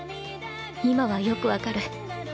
今はよくわかる。